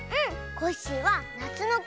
コッシーはなつのき。